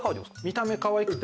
見た目かわいくて。